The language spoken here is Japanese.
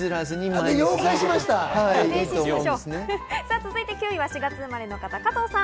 続いて９位は４月生まれの方、加藤さん。